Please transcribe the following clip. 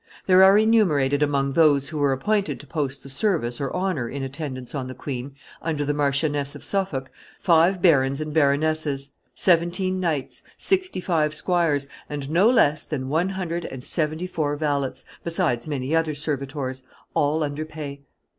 There are enumerated among those who were appointed to posts of service or honor in attendance on the queen, under the Marchioness of Suffolk, five barons and baronesses, seventeen knights, sixty five squires, and no less than one hundred and seventy four valets, besides many other servitors, all under pay.